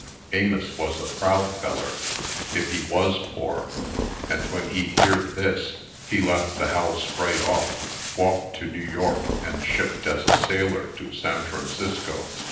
Amos was a proud feller, if he was poor; and, when he heerd this, he left the house right off, walked to New York, and shipped as a sailor to San Francisco.